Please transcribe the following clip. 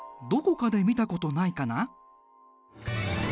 どこかで見たことないかな？